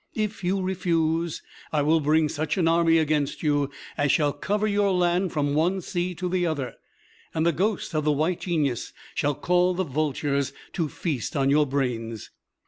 If you refuse, I will bring such an army against you as shall cover your land from one sea to the other; and the ghost of the White Genius shall call the vultures to feast on your brains."